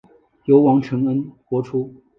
由黄承恩播出。